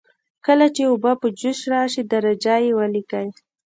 کله چې اوبه په جوش راشي درجه یې ولیکئ.